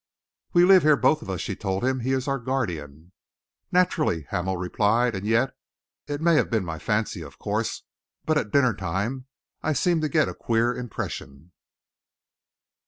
"We live here, both of us," she told him. "He is our guardian." "Naturally," Hamel replied, "and yet, it may have been my fancy, of course, but at dinnertime I seemed to get a queer impression."